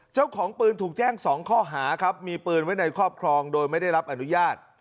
เจ้าของปืนถูกแจ้ง๒ข้อหาครับมีปืนไว้ในครอบครองโดยไม่ได้รับอนุญาต